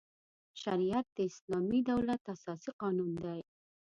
شریعت د اسلامي دولت اساسي قانون دی.